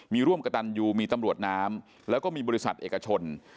มีร่วมกระตันยูมีตำรวจน้ำแล้วก็มีบริษัทเอกชน